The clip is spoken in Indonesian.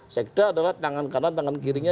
sekda adalah tangan kanan tangan kirinya